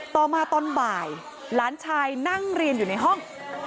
ต่อมาตอนบ่ายหลานชายนั่งเรียนอยู่ในห้อง